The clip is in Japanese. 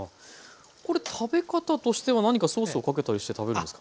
これ食べ方としては何かソースをかけたりして食べるんですか？